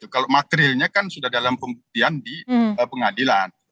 kalau materilnya kan sudah dalam pembuktian di pengadilan